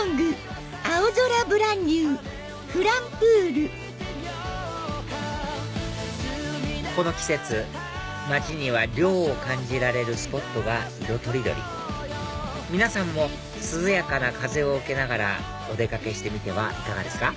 横尾君この季節街には涼を感じられるスポットが色とりどり皆さんも涼やかな風を受けながらお出掛けしてみてはいかがですか？